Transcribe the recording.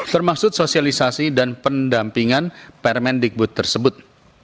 termasuk sosialisasi dan pendampingan permendikbud tersebut